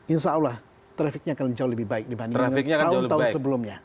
insya allah trafficnya akan jauh lebih baik dibandingkan dengan tahun tahun sebelumnya